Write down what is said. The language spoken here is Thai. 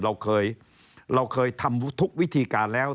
เราเคยทำทุกวิธีการแล้ว